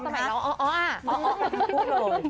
ก็ไหนเนอะอ๋อลองพูดเลย